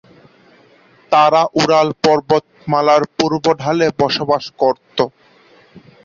তারা উরাল পর্বতমালার পূর্ব ঢালে বসবাস করত।